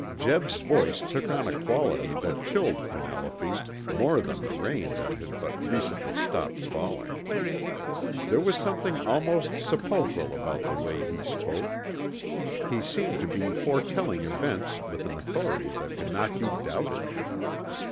Jeb's voice took on a quality that chilled Penelope more than the rain that had but recently stopped falling. There was something almost sepulchral about the way he spoke. He seemed to be foretelling events with an authority that could not be doubted.